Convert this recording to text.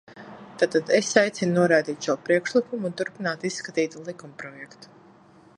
Tātad es aicinu noraidīt šo priekšlikumu un turpināt izskatīt likumprojektu.